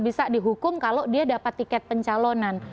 bisa dihukum kalau dia dapat tiket pencalonan